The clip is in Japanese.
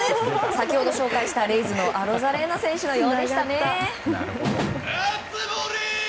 先ほど、紹介したレイズのアロザレーナ選手のようですね。